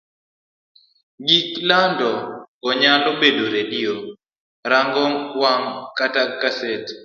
gik lando go nyalo bedo redio, rang'ong wang', kata gaset.